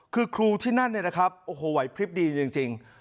คือครูที่นั้นนะครับโอ้โหไหวเพศดีจริง